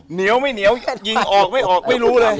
เหนียวไม่เหนียวยิงออกไม่ออกไม่รู้เลย